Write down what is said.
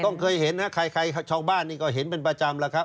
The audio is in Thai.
เคยเห็นนะใครชาวบ้านนี่ก็เห็นเป็นประจำแล้วครับ